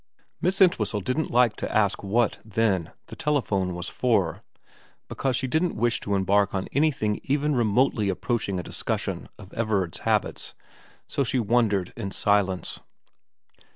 Miss Entwhistle didn't like to ask what, then, the telephone was for, because she didn't wish to embark on anything even remotely approaching a discussion of Everard's habits, so she wondered in silence.